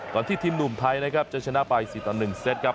ที่ทีมหนุ่มไทยนะครับจะชนะไป๔ต่อ๑เซตครับ